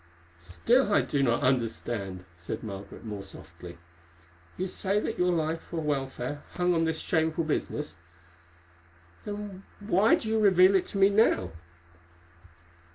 "Still I do not understand," said Margaret more softly. "You say that your life or welfare hung on this shameful business. Then why do you reveal it to me now?"